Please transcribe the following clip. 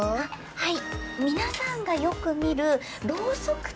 はい。